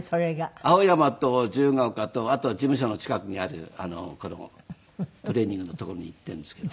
青山と自由が丘とあとは事務所の近くにあるトレーニングの所に行っているんですけど。